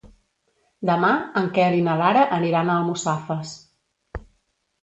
Demà en Quel i na Lara aniran a Almussafes.